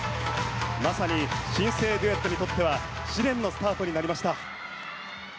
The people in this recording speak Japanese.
まさに新星デュエットにとっては試練のスタートになりました。